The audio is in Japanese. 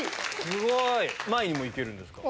すごい！前にも行けるんですか？